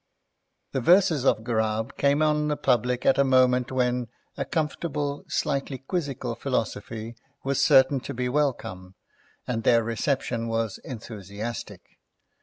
The verses of Ghurab came on the public at a moment when a comfortable, slightly quizzical philosophy was certain to be welcome, and their reception was enthusiastic.